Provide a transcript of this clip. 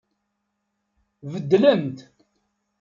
Beddlent.